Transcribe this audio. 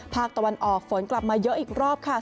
ภาคตะวันออกฝนกลับมาเยอะอีกรอบค่ะ